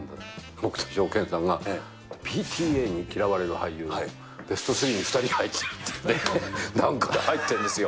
僕とショーケンさんが、ＰＴＡに嫌われる俳優ベスト３に２人入ったって、なんかで入ってんですよ。